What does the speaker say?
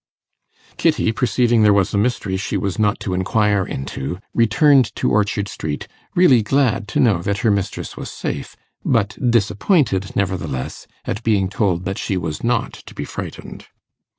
Kitty, perceiving there was a mystery she was not to inquire into, returned to Orchard Street, really glad to know that her mistress was safe, but disappointed nevertheless at being told that she was not to be frightened.